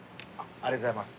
ありがとうございます。